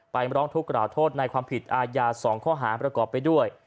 ร้องทุกกล่าวโทษในความผิดอาญา๒ข้อหาประกอบไปด้วย